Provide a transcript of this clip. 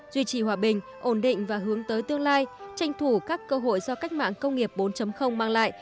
duy trì hòa bình ổn định và hướng tới tương lai tranh thủ các cơ hội do cách mạng công nghiệp bốn mang lại